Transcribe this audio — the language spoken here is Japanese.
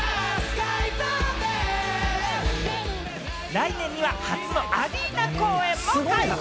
来年には初のアリーナ公演も開催。